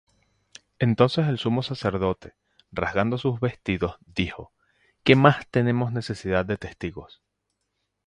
Entonces el sumo sacerdote, rasgando sus vestidos, dijo: ¿Qué más tenemos necesidad de testigos?